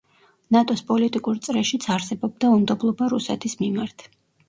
ნატოს პოლიტიკურ წრეშიც არსებობდა უნდობლობა რუსეთის მიმართ.